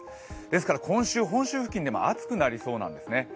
ですから今週本州付近でも暑くなりそうなんですね。